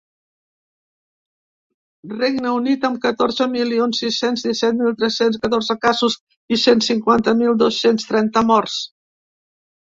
Regne Unit, amb catorze milions sis-cents disset mil tres-cents catorze casos i cent cinquanta mil dos-cents trenta morts.